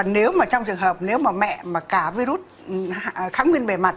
nếu mà trong trường hợp nếu mà mẹ mà cả virus kháng nguyên bề mặt